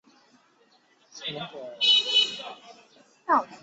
与广东省成为对全国财政和中央财政贡献最大的地区。